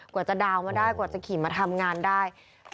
กว่าจะดาวน์มาได้กว่าจะขี่มาทำงานได้